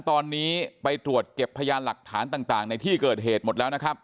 ตอนนี้ไปตรวจเก็บพยานหลักฐานต่างในที่เกิดเหตุหมด